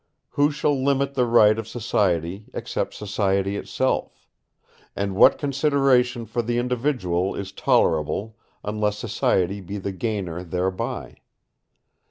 Who shall limit the right of society except society itself? And what consideration for the individual is tolerable unless society be the gainer thereby?